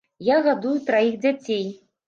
Я гадую траіх дзяцей.